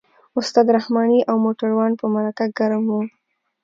استاد رحماني او موټروان په مرکه ګرم وو.